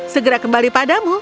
segera kembali padamu